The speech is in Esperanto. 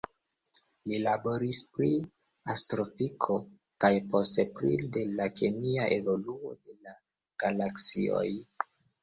Li laboris pri astrofiziko, kaj poste pri de la kemia evoluo de la galaksioj.